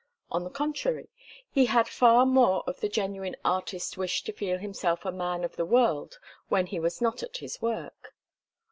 On the contrary, he had far more of the genuine artist's wish to feel himself a man of the world when he was not at his work.